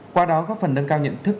qua đó góp phần nâng cao nhận thức